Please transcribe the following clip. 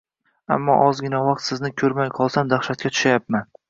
Ammo ozgina vaqt sizni ko‘rmay qolsam dahshatga tushayapman